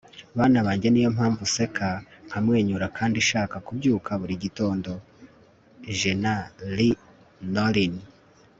bana banjye niyo mpamvu nseka, nkamwenyura kandi nshaka kubyuka buri gitondo. - gena lee nolin